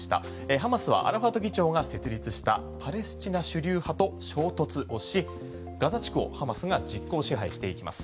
ハマスはアラファト議長が設立したパレスチナの主流派と衝突しガザ地区をハマスが実効支配していきます。